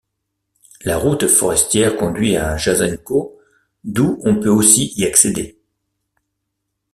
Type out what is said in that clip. La route forestière conduit à Jasenko, d'où on peut aussi y accéder.